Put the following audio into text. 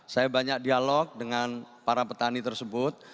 saya banyak dialog dengan para petani tersebut